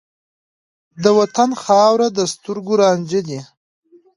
د وطن خاوره د سترګو رانجه ده.